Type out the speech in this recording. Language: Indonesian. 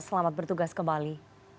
selamat bertugas kembali